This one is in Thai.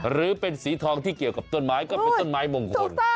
หรือเป็นสีทองที่เกี่ยวกับต้นไม้ก็เป็นต้นไม้มงคล